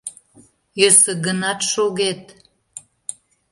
Йӧсӧ гынат, шогет.